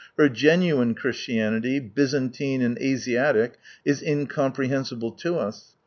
Her genuine Christianity, Byzantine and Asiatic, is incomprehensible to us.